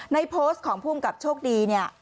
ในโพสต์ของภูมิกับโชคดีเนี่ย